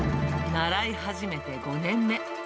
習い始めて５年目。